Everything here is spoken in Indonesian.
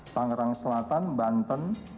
tangerang selatan banten